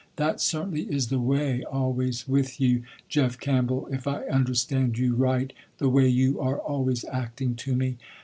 That certainly is the way always with you, Jeff Campbell, if I understand you right the way you are always acting to me.